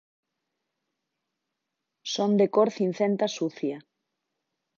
Son de cor cincenta sucia.